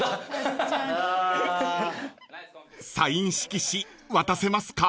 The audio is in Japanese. ［サイン色紙渡せますか？］